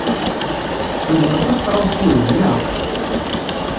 Tessnemt aṭas n tɣawsiwin, naɣ?